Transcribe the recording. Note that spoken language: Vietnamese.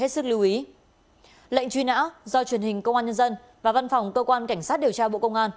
lệnh truy nã do truyền hình công an nhân dân và văn phòng cơ quan cảnh sát điều tra bộ công an